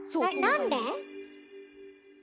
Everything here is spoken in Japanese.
なんで？